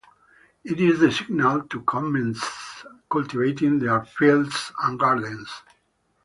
It is the signal to commence cultivating their fields and gardens.